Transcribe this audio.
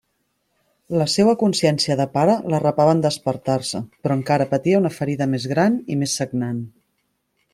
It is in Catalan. La seua consciència de pare l'arrapava en despertar-se, però encara patia una ferida més gran i més sagnant.